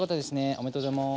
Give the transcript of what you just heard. おめでとうございます。